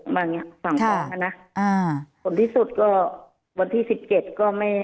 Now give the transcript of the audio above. มาอย่างเงี้ยสั่งฟ้องกันนะอ่าส่วนที่สุดก็วันที่สิบเก็ตก็ไม่